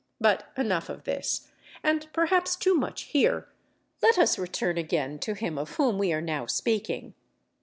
But enough of this, and perhaps too much here; let us return again to him of whom we are now speaking.